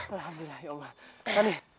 alhamdulillah ya allah